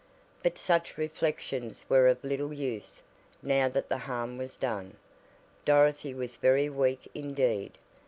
But such reflections were of little use now that the harm was done. Dorothy was very weak indeed.